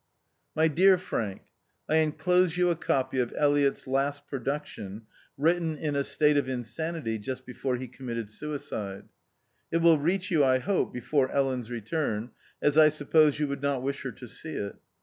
My dear Fra.nk, — I enclose you a copy of Elliott's last production, written in a state of insanity, just before lie committed suicide. It will reach you, I hope, before Ellen's return, as 1 suppose you would not wish her to see it.